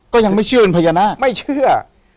ก็ยังไม่เชื่อเป็นพญานาคไม่เชื่อ